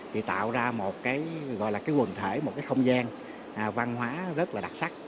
thì tạo ra một quần thể một không gian văn hóa rất đặc sắc